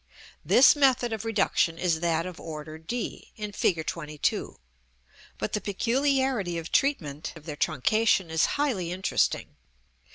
This method of reduction is that of order d in Fig. XXII., but the peculiarity of treatment of their truncation is highly interesting.